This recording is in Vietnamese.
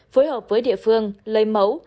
phối hợp với địa phương lấy mẫu